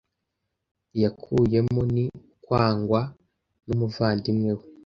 yakuyemo ni ukwangwa n’umuvandimwe we